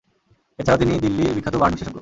এছাড়াও, তিনি দিল্লির বিখ্যাত বার্ন বিশেষজ্ঞ।